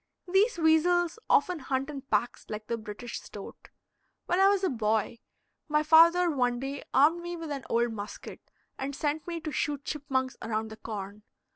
These weasels often hunt in packs like the British stoat. When I was a boy, my father one day armed me with an old musket and sent me to shoot chipmunks around the corn.